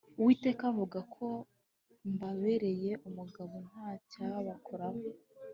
Uwiteka avuga Kuko mbabereye umugabo ntacyabakoraho